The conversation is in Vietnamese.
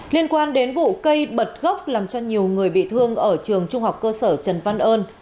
liên quan đến vụ cây bật gốc làm cho nhiều người bị thương ở trường trung học cơ sở trần văn ơn